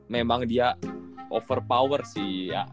memang dia over power sih